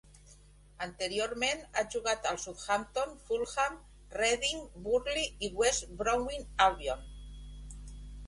Anteriorment ha jugat al Southampton, Fulham, Reading, Burnley i West Bromwich Albion.